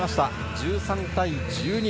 １３対１２。